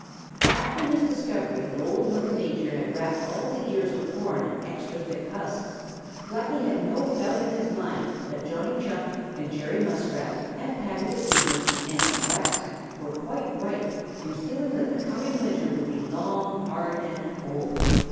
Blacky the Crow. After his discovery that Old Mother Nature had wrapped all the ears of corn in extra thick husks, Blacky had no doubt in his own mind that Johnny Chuck and Jerry Muskrat and Paddy the Beaver and the Quacks were quite right in feeling that the coming winter would be long, hard and cold.